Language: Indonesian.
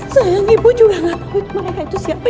sayang ibu juga gak takut mereka itu siapa